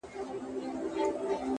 نو زنده گي څه كوي؛